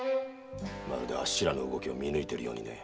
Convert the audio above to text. まるであっしらの動きを見抜いてるようにね。